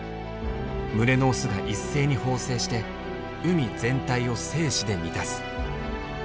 群れのオスが一斉に放精して海全体を精子で満たす。